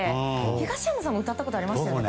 東山さんも歌ったことありますよね。